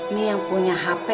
nih yang punya hp